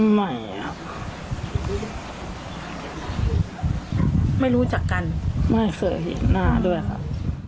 ไม่ครับไม่รู้จักกันไม่เคยเห็นหน้าด้วยครับ